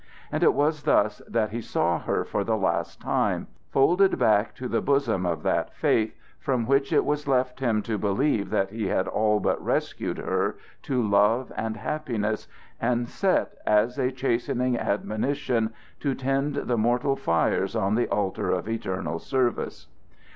And it was thus that he saw her for the last time folded back to the bosom of that faith from which it was left him to believe that he had all but rescued her to love and happiness, and set, as a chastening admonition, to tend the mortal fires on the altar of eternal service.